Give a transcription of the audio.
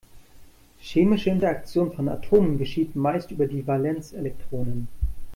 Chemische Interaktion von Atomen geschieht meist über die Valenzelektronen.